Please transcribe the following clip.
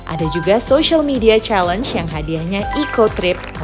ada juga social media challenge yang hadianya eco trip ke lombok